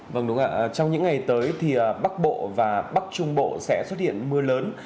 vâng đúng ạ trong những ngày tới thì bắc bộ và bắc trung bộ sẽ xuất hiện mưa lớn